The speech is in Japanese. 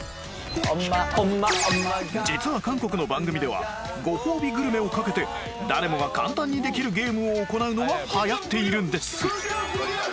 実は韓国の番組ではご褒美グルメをかけて誰もが簡単にできるゲームを行うのがはやっているんです